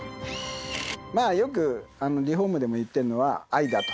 あ、よくリフォームでも言ってるのは、愛だと。